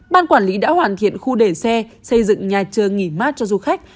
ban quản lý đã hoàn thiện khu để xe xây dựng nhà trường nghỉ mát cho du khách